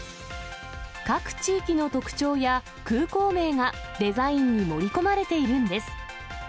各地域の特徴や空港名が、デザインに盛り込まれているんです。